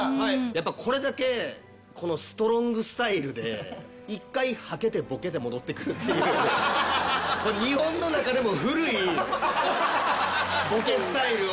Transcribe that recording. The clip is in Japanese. やっぱこれだけこのストロングスタイルで一回ハケてボケで戻ってくるっていう日本の中でも古いボケスタイルを。